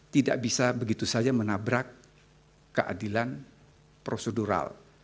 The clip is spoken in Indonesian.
tidak bisa begitu saja menabrak keadilan prosedural